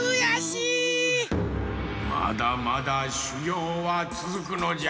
まだまだしゅぎょうはつづくのじゃ。